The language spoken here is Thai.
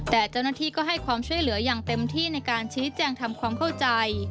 แต่เจ้าหน้าที่ก็ให้ความช่วยเหลืออย่างเต็มที่ในการชี้แจงทำความเข้าใจ